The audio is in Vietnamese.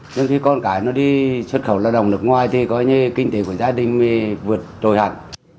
nhưng khi con cái nó đi xuất khẩu lao động nước ngoài thì có như kinh tế của gia đình vượt tồi hẳn